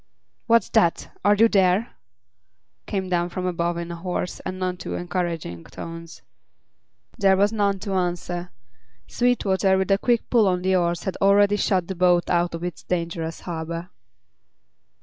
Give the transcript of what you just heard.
"What's that? Are you there?" came down from above in hoarse and none too encouraging tones. There was none to answer; Sweetwater, with a quick pull on the oars, had already shot the boat out of its dangerous harbor.